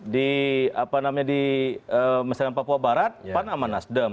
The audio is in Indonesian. di apa namanya di mesin papua barat pan sama nasdem